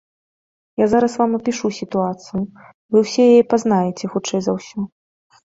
Я зараз вам апішу сітуацыю, вы ўсе яе пазнаеце, хутчэй за ўсё.